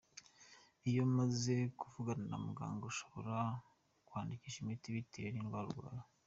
Iyo umaze kuvugana na muganga ashobora kukwandikira imiti bitewe n’indwara urwaye.